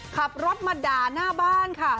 ขับรถมาด่าหน้าบ้านค่ะ